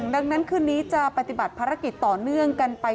ดังนั้นคืนนี้จะปฏิบัติภารกิจต่อเนื่องกันไป